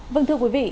vâng thưa quý vị